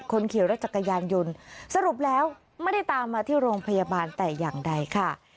คนขี่รถจักรยานยนต์สรุปแล้วไม่ได้ตามมาที่โรงพยาบาลแต่อย่างใดค่ะ